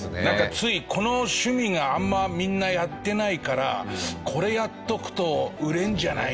ついこの趣味があんまみんなやってないからこれやっとくと売れるんじゃないかな？